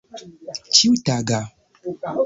ĉiutaga